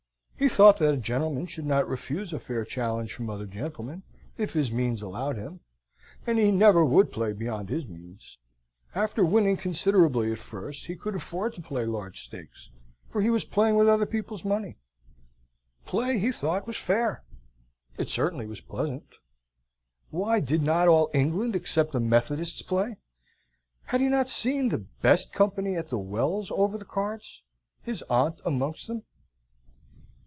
He thought that a gentleman should not refuse a fair challenge from other gentlemen, if his means allowed him: and he never would play beyond his means. After winning considerably at first, he could afford to play large stakes, for he was playing with other people's money. Play, he thought, was fair, it certainly was pleasant. Why, did not all England, except the Methodists, play? Had he not seen the best company at the Wells over the cards his aunt amongst them?